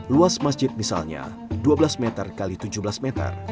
luas masjid misalnya dua belas meter x tujuh belas meter